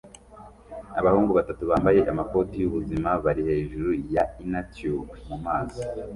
Abahungu batatu bambaye amakoti y'ubuzima bari hejuru ya innertube mumazi